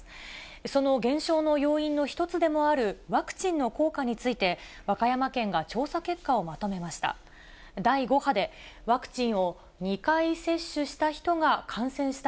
その減少の要因の一つでもあるワクチンの効果について、和歌山県が調査結果をまとめました。